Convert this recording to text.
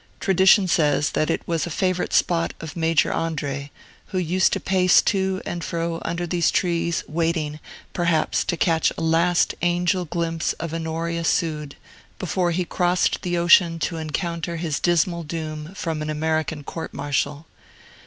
Tradition says that it was a favorite spot of Major Andre, who used to pace to and fro under these trees waiting, perhaps, to catch a last angel glimpse of Honoria Sueyd, before he crossed the ocean to encounter his dismal doom from an American court martial.